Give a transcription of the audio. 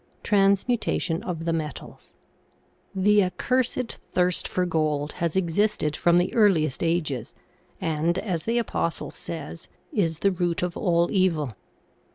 V TRANSMUTATION OF THE METALS HE " accursed thirst for gold " has existed from the earliest ages and, as the apostle says, " is the root of all evil."